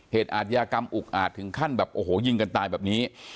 อาทยากรรมอุกอาจถึงขั้นแบบโอ้โหยิงกันตายแบบนี้